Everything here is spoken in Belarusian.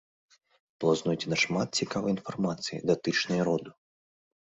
Было знойдзена шмат цікавай інфармацыі, датычнай роду.